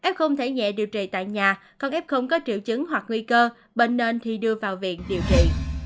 f thể nhẹ điều trị tại nhà còn f có triệu chứng hoặc nguy cơ bệnh nên thì đưa vào viện điều trị